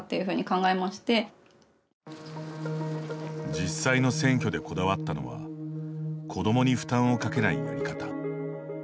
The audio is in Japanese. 実際の選挙でこだわったのは子どもに負担をかけないやり方。